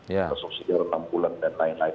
resursi jualan enam bulan dan lain lain